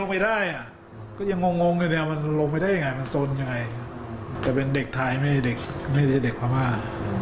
ไม่ได้เด็กว่าบ้า